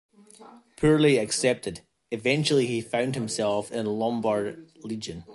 Poorly accepted, eventually he found himself in the Lombard Legion.